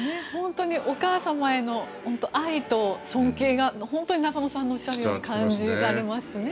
お母様への愛と尊敬が中野さんのおっしゃるように感じられましたね。